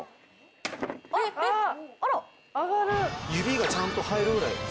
指がちゃんと入るぐらい。